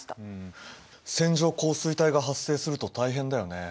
線状降水帯が発生すると大変だよね。